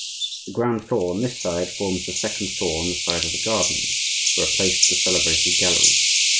The ground floor on this side forms the second floor on the side of the gardens, where are placed the celebrated galleries.